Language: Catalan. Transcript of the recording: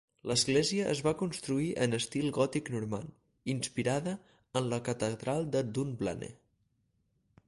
L'església es va construir en estil gòtic normand, inspirada en la catedral de Dunblane.